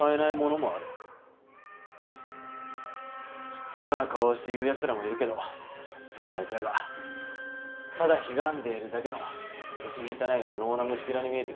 知ったような顔をして言う奴らもいるけどそんな奴らがただひがんでいるだけの薄汚い無能な虫けらに見えてくる。